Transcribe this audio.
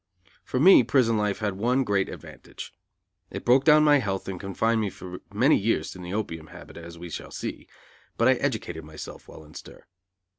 For me, prison life had one great advantage. It broke down my health and confirmed me for many years in the opium habit, as we shall see; but I educated myself while in stir.